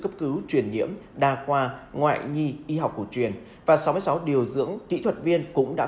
cấp cứu truyền nhiễm đa khoa ngoại nhi y học cổ truyền và sáu mươi sáu điều dưỡng kỹ thuật viên cũng đã